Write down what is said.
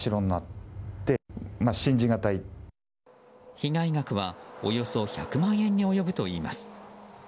被害額は、およそ１００万円に及ぶといいます。